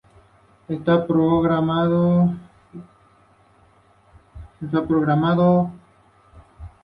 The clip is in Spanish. Esta promoción sigue siendo el logro más importante en la historia del club.